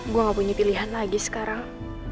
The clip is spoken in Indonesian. gue gak punya pilihan lagi sekarang